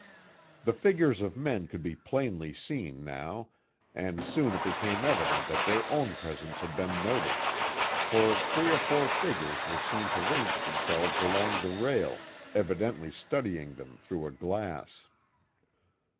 The figures of men could be plainly seen, now, and soon it became evident that their own presence had been noted, for three or four figures were seen to range themselves along the rail, evidently studying them through a glass.